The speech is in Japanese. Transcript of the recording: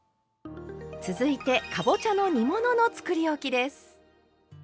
続いてかぼちゃの煮物のつくりおきです。